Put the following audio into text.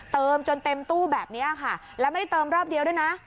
เติมจนเต็มตู้แบบนี้ค่ะแล้วไม่ได้เติมรอบเดียวด้วยนะ